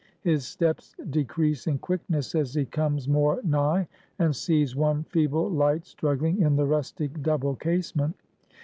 His steps decrease in quickness as he comes more nigh, and sees one feeble light struggling in the rustic double casement.